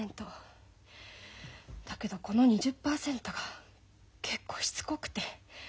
だけどこの２０％が結構しつこくて。